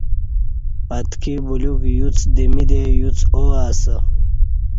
اتکی بلیوک یوڅ دمی دے یوڅ آو اسہ۔